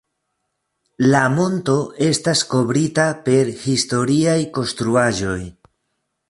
La monto estas kovrita per historiaj konstruaĵoj.